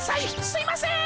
すいません！